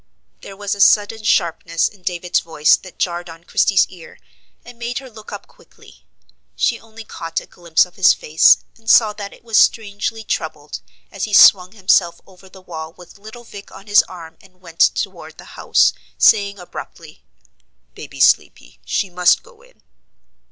There was a sudden sharpness in David's voice that jarred on Christie's ear and made her look up quickly. She only caught a glimpse of his face, and saw that it was strangely troubled, as he swung himself over the wall with little Vic on his arm and went toward the house, saying abruptly: "Baby 's sleepy: she must go in."